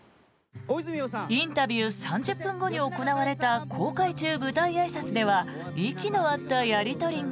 インタビュー３０分後に行われた公開中舞台あいさつでは息の合ったやり取りが。